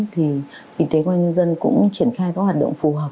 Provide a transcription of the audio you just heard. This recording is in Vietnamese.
thì y tế công an nhân dân cũng triển khai các hoạt động phù hợp